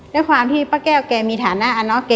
ด้วยความที่ป้าแก้วมีฐานะ